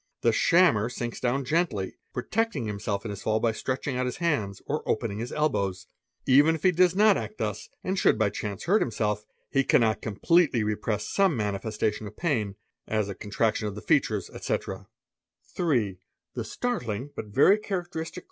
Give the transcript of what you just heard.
The ammer sinks down gently, protecting himself in his fall by stretch 5 meus his hands or opening his elbows. Even if he does not act thus 4 1 should by chance hurt himself, he cannot completely repress some mifestation of pain, as a contraction of the features, etc. ns ve ise Oe ne aan 99 fs. The "startling but very characteristic"?